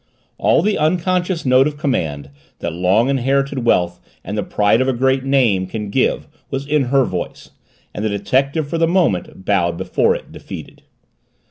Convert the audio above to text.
All the unconscious note of command that long inherited wealth and the pride of a great name can give was in her voice, and the detective, for the moment, bowed before it, defeated.